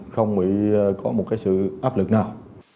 không bị có một cái sự áp lực nào